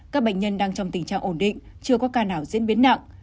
các bệnh nhân đang trong tình trạng ổn định chưa có ca nào diễn biến nặng